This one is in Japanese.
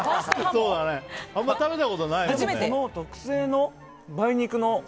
この特製の梅肉。